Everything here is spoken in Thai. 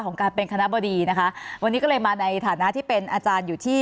ของการเป็นคณะบดีนะคะวันนี้ก็เลยมาในฐานะที่เป็นอาจารย์อยู่ที่